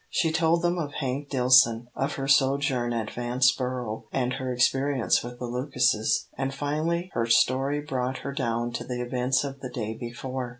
She told them of Hank Dillson, of her sojourn at Vanceboro, and her experience with the Lucases, and finally her story brought her down to the events of the day before.